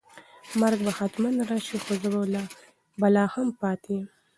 مرګ به حتماً راشي خو زه به لا هم پاتې یم.